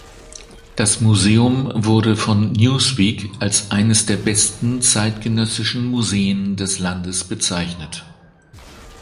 Das Museum wurde von Newsweek als eines der besten zeitgenössischen Museen des Landes bezeichnet.